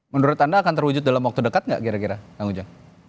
menurut anda akan terwujud dalam waktu dekat nggak kira kira kang ujang